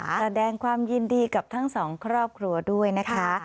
แสดงความยินดีกับทั้งสองครอบครัวด้วยนะคะ